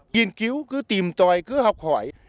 nghiên cứu cứ tìm tòi cứ học học